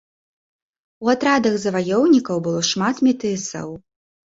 У атрадах заваёўнікаў было шмат метысаў.